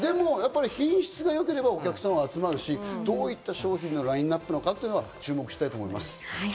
品質がよければ、お客さんは集まるし、どういった商品のラインナップか注目したいと思います。